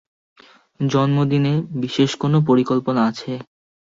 জন্মদিনে বিশেষ কোনো পরিকল্পনা আছে?